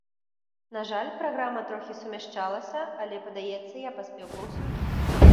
На жаль, праграма трохі сумяшчалася, але, падаецца, я паспеў паўсюль.